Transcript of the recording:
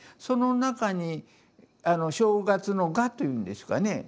その中に正月の「賀」というんですかね